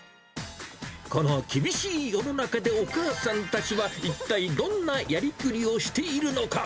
この厳しい世の中でお母さんたちは、一体どんなやりくりをしているのか。